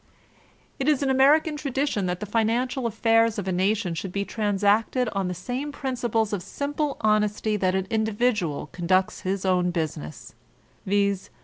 It is American tradition that the financial affairs of a nation should be transacted on the same principles of 8inq>le honesty that an individual conducts his own busi ness; viz.